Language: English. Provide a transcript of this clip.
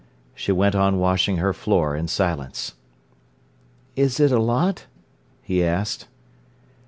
She went on washing her floor in silence. "Is it a lot?" he asked.